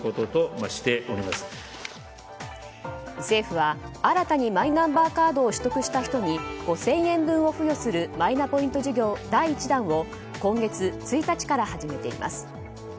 政府は新たにマイナンバーカードを取得した人に５０００円分を付与するマイナポイント事業第１弾を今月１日から始めています。